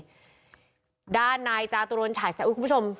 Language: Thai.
ถ่ายสักทีด้านนายจาตุรนต์ฉายแสงอุ้ยคุณผู้ชม